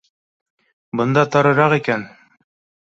— Бында тарыраҡ икән